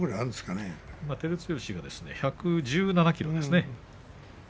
今、照強は１１７ｋｇですね。